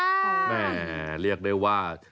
แม่เรียกได้ว่า